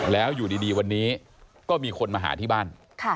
แล้วอยู่ดีวันนี้ก็มีคนมาหาที่บ้าน